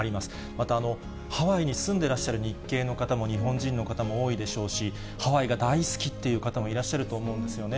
また、ハワイに住んでらっしゃる日系の方も日本人の方も多いでしょうし、ハワイが大好きという方もいらっしゃると思うんですよね。